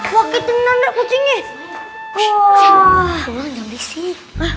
wuih kakak kenaan nih kak kucingnya